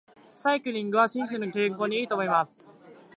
サイクリングは心身の健康に良いと思います。